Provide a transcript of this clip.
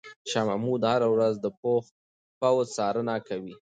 شاه محمود هره ورځ د پوځ څارنه کوي.